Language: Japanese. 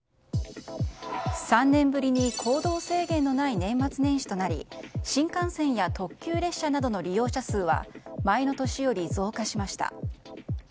３年ぶりに行動制限のない年末年始となり新幹線や特急列車などの利用者数は前の年より増加しました。